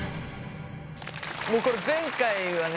もうこれ前回はね